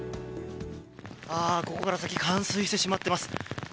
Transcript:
ここから先冠水してしまっています。